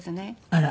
あら。